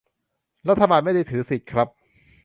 รัฐบาลไม่ได้ถือสิทธิ์ครับ